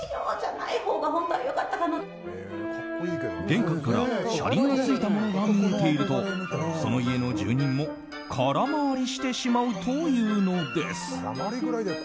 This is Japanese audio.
玄関から車輪がついたものが見えているとその家の住人も空回りしてしまうというのです。